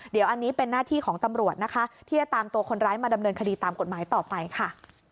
เดี๋ยวอันนี้เป็นหน้าที่ของตำรวจนะคะที่จะตามตัวคนร้ายมาดำเนินคดีตามกฎหมายต่อไปค่ะ